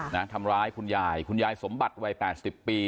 นะทำร้ายคุณยายคุณยายสมบัติวัยแปดสิบปี